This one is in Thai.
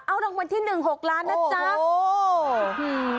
เอารางวัลที่๑๖ล้านนะจ๊ะ